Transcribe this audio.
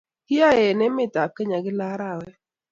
kIyae en emet ab kenya kila arawet